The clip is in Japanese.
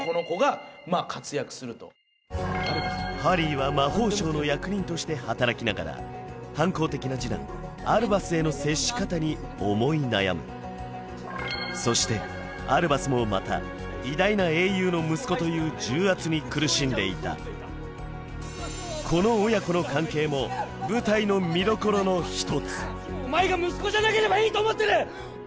ハリーは魔法省の役人として働きながら反抗的な次男・アルバスへの接し方に思い悩むそしてアルバスもまた偉大な英雄の息子という重圧に苦しんでいたこの親子の関係も舞台の見どころの一つお前が息子じゃなければいいと思ってる！